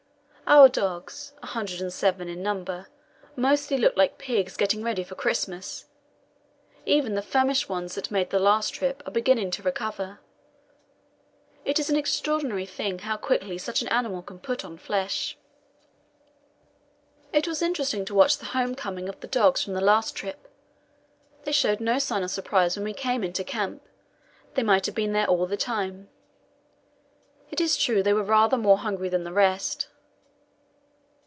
Our dogs 107 in number mostly look like pigs getting ready for Christmas; even the famished ones that made the last trip are beginning to recover. It is an extraordinary thing how quickly such an animal can put on flesh. It was interesting to watch the home coming of the dogs from the last trip. They showed no sign of surprise when we came into camp; they might have been there all the time. It is true they were rather more hungry than the rest.